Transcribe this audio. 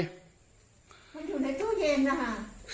มันอยู่ในตู้เย็นนะคะ